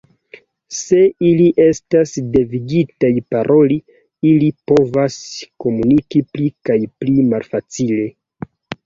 Se ili estas devigitaj paroli, ili povas komuniki pli kaj pli malfacile.